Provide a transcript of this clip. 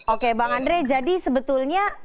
oke bang andre jadi sebetulnya